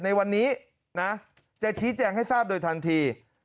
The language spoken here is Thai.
ในวันนี้นะจะชี้แจงให้ทราบโดยทันที